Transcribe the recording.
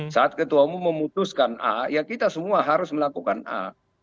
saat ketua umum memutuskan a ya kita semua harus melakukan a